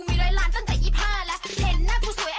สวัสดีค่ะคุณผู้ชมค่ะวันนี้ฮาปัสพามาถึงจากกันอยู่ที่ยา